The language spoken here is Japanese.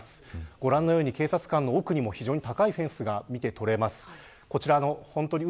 ご覧のように、警察官の奥にも非常に高いフェンスが見て取れます。